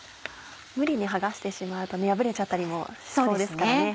無理に剥がしてしまうと破れちゃったりしそうですからね。